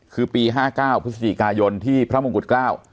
คือปี๕๙พฤศจิกายนที่พระมงกุฎเกล้า